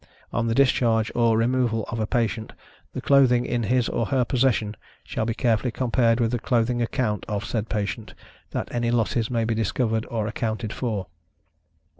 On the discharge, or removal, of a patient, the clothing in his or her possession, shall be carefully compared with the clothing account of said patient, that any losses may be discovered or accounted for.